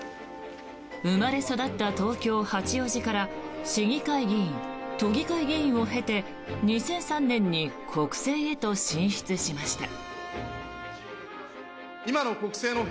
生まれ育った東京・八王子から市議会議員、都議会議員を経て２００３年に国政へと進出しました。